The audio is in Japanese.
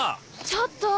ちょっと！